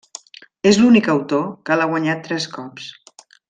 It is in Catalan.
És l'únic autor que l'ha guanyat tres cops.